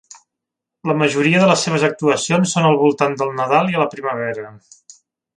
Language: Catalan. La majoria de les seves actuacions són al voltant del Nadal i a la primavera.